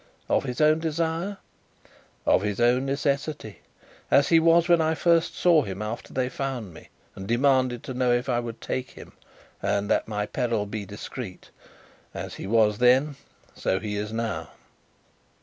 "Of his own desire?" "Of his own necessity. As he was, when I first saw him after they found me and demanded to know if I would take him, and, at my peril be discreet as he was then, so he is now."